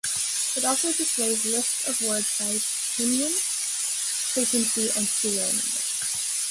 It also displays lists of words by pinyin, frequency, and serial number.